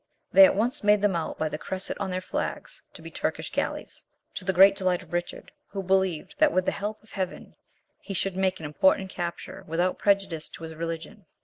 They at once made them out by the crescents on their flags to be Turkish galleys, to the great delight of Richard, who believed that with the help of Heaven he should make an important capture without prejudice to his religion.